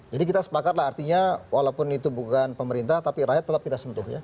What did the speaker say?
jadi kita sepakat lah artinya walaupun itu bukan pemerintah tapi rakyat tetap kita sentuh ya